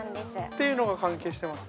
◆というのが関係してます？